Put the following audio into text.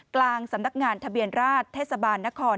กลางสำนักงานทะเบียนราชเทศบาลนคร